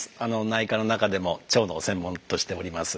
内科の中でも腸の専門としております。